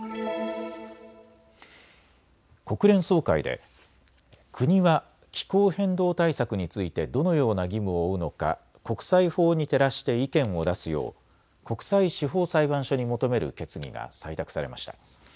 国連総会で国は気候変動対策についてどのような義務を負うのか国際法に照らして意見を出すよう国際司法裁判所に求める決議が採択されました。